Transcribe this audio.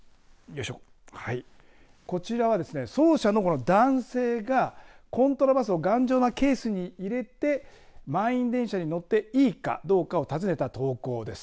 こちらは奏者の男性がコントラバスを頑丈なケースに入れて満員電車に乗っていいかどうかを尋ねた投稿です。